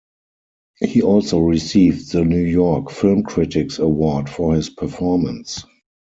He also received the New York Film Critics Award for his performance.